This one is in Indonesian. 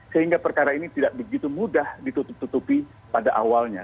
sehingga perkara ini tidak begitu mudah ditutup tutupi pada awalnya